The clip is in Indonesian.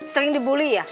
sering dibully ya